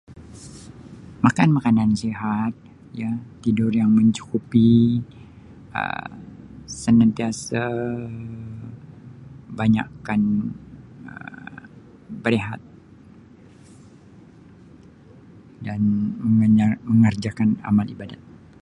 Makan makanan sihat ya tidur yang mencukupi err senantiasa banyakkan err berehat dan [unintelligible] mengerjakan amal ibadat